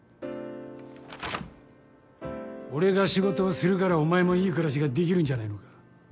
俺が仕事をするからお前もいい暮らしができるんじゃないのか？